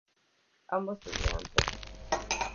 Ambos tuvieron tres hijos.